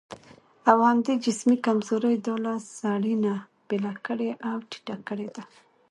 او همدې جسمي کمزورۍ دا له سړي نه بېله کړې او ټيټه کړې ده.